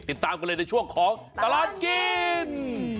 ติดตามกันเลยในช่วงของตลอดกิน